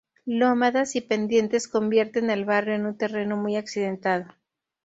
Lomadas y pendientes convierten al barrio en un terreno muy accidentado.